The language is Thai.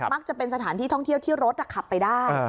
จะเป็นสถานที่ท่องเที่ยวที่รถขับไปได้